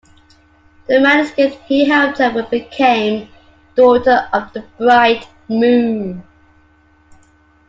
The manuscript he helped her with became "Daughter of the Bright Moon".